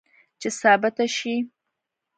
چې ثابته شي